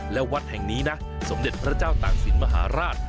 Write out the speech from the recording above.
และวัดแห่งนี้นะสมเด็จพระเจ้าตากศิลป์มหาราช